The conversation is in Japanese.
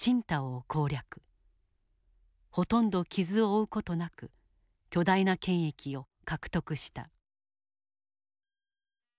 ほとんど傷を負う事なく巨大な権益を獲得した。